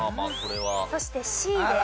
そしてＣです。